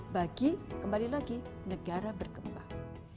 bagi kembali lagi negara berkembang